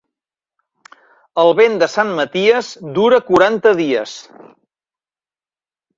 El vent de Sant Maties dura quaranta dies.